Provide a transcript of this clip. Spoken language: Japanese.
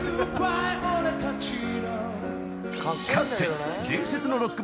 ［かつて］